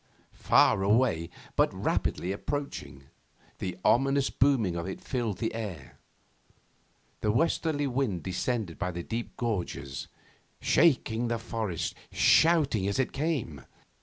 Far away, but rapidly approaching, the ominous booming of it filled the air. The westerly wind descended by the deep gorges, shaking the forests, shouting as it came.